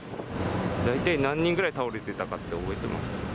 大体何人ぐらい倒れていたかって覚えてます？